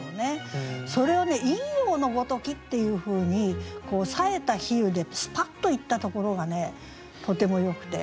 それを「陰陽のごとき」っていうふうにさえた比喩でスパッといったところがとてもよくて。